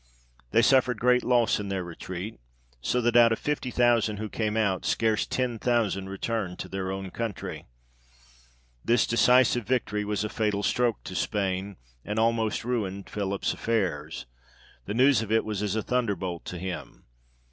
They suffered great loss in their retreat, so that out of fifty thousand who came out, scarce ten thousand returned to their own country. This decisive victory G 82 THE REIGN OF GEORGE VI. was a fatal stroke to Spain, and almost ruined Philip's affairs : the news of it was as a thunderbolt to him.